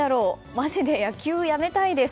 まじで野球やめたいです。